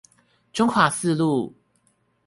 中華四路